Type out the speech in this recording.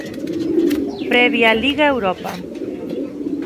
Previa Liga Europa.